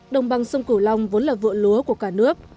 đồng bằng sông cửu long vốn là vựa lúa của cả nước